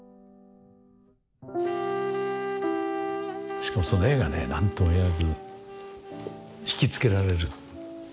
しかもその絵がね何とも言えず引き付けられる。